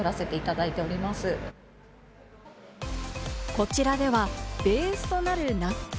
こちらではベースとなる納豆